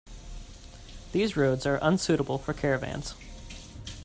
These roads are unsuitable for caravans.